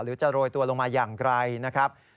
จะโรยตัวลงมาอย่างไกลนะครับ